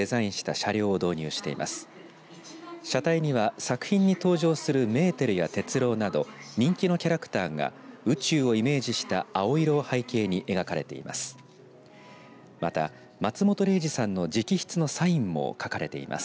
車体には作品に登場するメーテルや鉄郎など人気のキャラクターが宇宙をイメージした青色を背景に描かれています。